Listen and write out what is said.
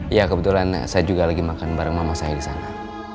ya kebetulan saya juga lagi makan bareng mama saya di sana